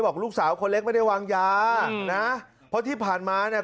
บอกลูกสาวคนเล็กไม่ได้วางยานะเพราะที่ผ่านมาเนี่ย